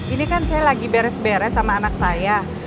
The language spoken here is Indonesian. ini kan saya lagi beres beres sama anak saya